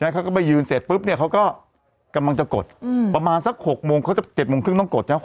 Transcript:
เขาก็ไปยืนเสร็จปุ๊บเนี่ยเขาก็กำลังจะกดประมาณสัก๖โมงเขาจะ๗โมงครึ่งต้องกดใช่ไหม